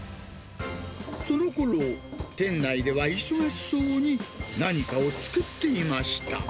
そのころ、店内では忙しそうに何かを作っていました。